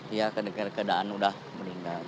iya kena kedaan sudah meninggal